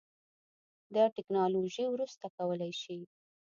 دا ټیکنالوژي وروسته کولی شي